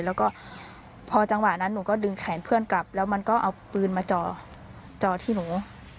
แล้วก็พอจังหวะนั้นหนูก็ดึงแขนเพื่อนกลับแล้วมันก็เอาปืนมาจอที่หนู